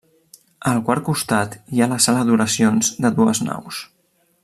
Al quart costat hi ha la sala d'oracions de dues naus.